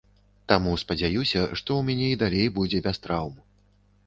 Таму спадзяюся, што ў мяне і далей будзе без траўм.